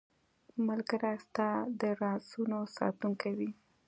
ملګری ستا د رازونو ساتونکی وي.